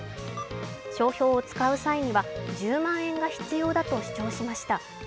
商標を使う際には１０万円が必要だと主張しました。